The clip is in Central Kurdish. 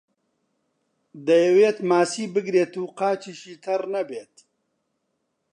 دەیەوێت ماسی بگرێت و قاچیشی تەڕ نەبێت.